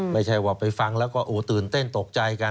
ไม่ใช่ว่าไปฟังแล้วก็ตื่นเต้นตกใจกัน